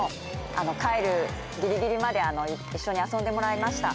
帰るギリギリまで一緒に遊んでもらいました。